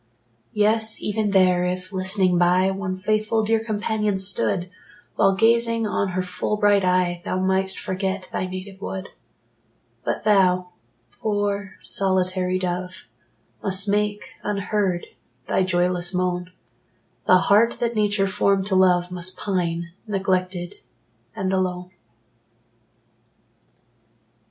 Yes, even there, if, listening by, One faithful dear companion stood, While gazing on her full bright eye, Thou mightst forget thy native wood But thou, poor solitary dove, Must make, unheard, thy joyless moan; The heart that Nature formed to love Must pine, neglected, and alone.